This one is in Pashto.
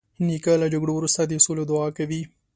نیکه له جګړو وروسته د سولې دعا کوي.